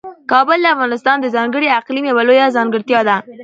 کابل د افغانستان د ځانګړي اقلیم یوه لویه ځانګړتیا ده.